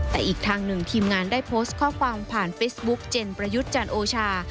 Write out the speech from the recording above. แต่อีกทางหนึ่งทีมงานได้โพสต์ข้อความผ่านเฟซบุ๊กเจนประยุทธ์จันโอชา